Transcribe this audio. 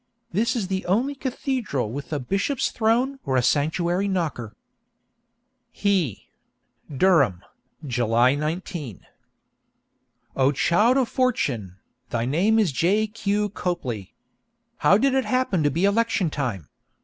This is the only cathedral with a Bishop's Throne or a Sanctuary Knocker._ He Durham, July 19. O child of fortune, thy name is J. Q. Copley! How did it happen to be election time?